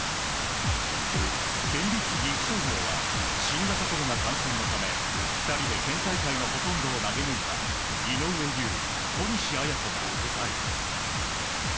県立岐阜商業は新型コロナ感染のため２人で県大会のほとんどを投げ抜いた井上悠、小西彩翔が不在。